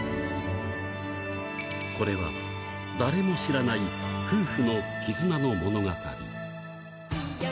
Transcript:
これは誰も知らない夫婦の絆の物語。